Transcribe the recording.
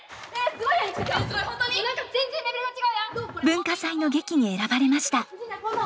文化祭の劇に選ばれました。